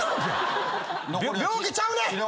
病気ちゃうねん！